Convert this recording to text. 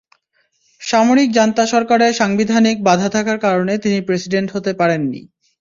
সামরিক জান্তা সরকারের সাংবিধানিক বাধা থাকার কারণে তিনি প্রেসিডেন্ট হতে পারেননি।